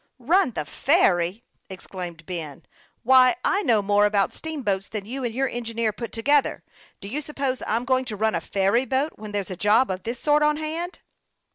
"Run the ferry!" exclaimed Ben. "Why, I know more about steamboats than you and your engineer put together. Do you suppose I'm going to run a ferry boat when there's a job of this sort on hand